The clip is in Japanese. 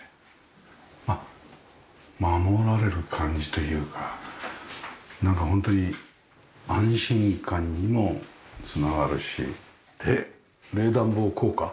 あっ守られる感じというかなんかホントに安心感にも繋がるしで冷暖房効果？